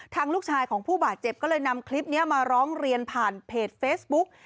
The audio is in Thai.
ลูกชายของผู้บาดเจ็บก็เลยนำคลิปนี้มาร้องเรียนผ่านเพจเฟซบุ๊ก